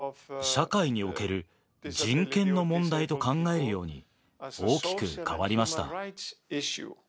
しかし、社会における人権の問題と考えるように、大きく変わりました。